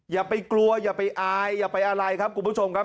อย่าไปกลัวอย่าไปอายอย่าไปอะไรครับคุณผู้ชมครับ